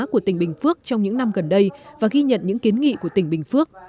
của tỉnh bình phước trong những năm gần đây và ghi nhận những kiến nghị của tỉnh bình phước